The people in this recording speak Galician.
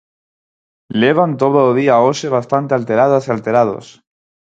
¡Levan todo o día hoxe bastante alteradas e alterados!